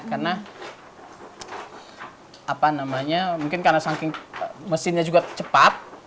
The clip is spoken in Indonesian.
karena apa namanya mungkin karena mesinnya juga cepat